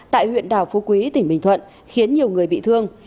tại huyện đảo phú quý tỉnh bình thuận khiến nhiều người bị thương